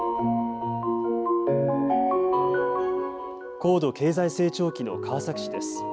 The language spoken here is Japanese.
高度経済成長期の川崎市です。